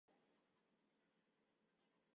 百货公司看看